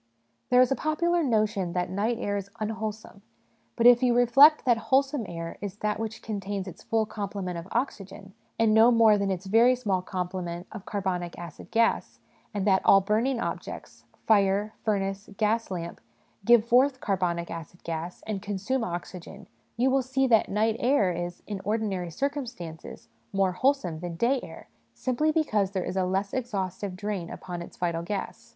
There is a popular notion that night air is unwholesome ; but if you reflect that wholesome air is that which contains its full complement of oxygen, and no more than its very small complement of carbonic acid gas, and that all burning objects fire, furnace, gas lamp give forth carbonic acid gas and consume oxygen, you will see that night air is, in ordinary circumstances, more wholesome than day air, simply because there is a less exhaustive drain upon its vital j;as.